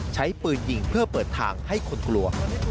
ใช้ปืนยิงเพื่อเปิดทางให้คนกลัว